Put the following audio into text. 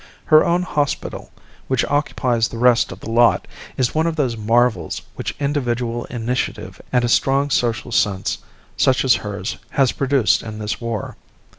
Her own hospital, which occupies the rest of the lot, is one of those marvels which individual initiative and a strong social sense such as hers has produced in this war.